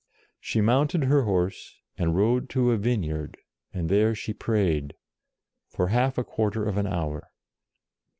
She mounted her horse, and rode to a vineyard, and there she prayed, " for half a quarter of an hour."